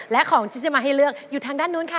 และของที่จะมาให้เลือกอยู่ทางด้านนู้นค่ะ